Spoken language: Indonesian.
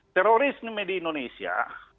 teroris di media indonesia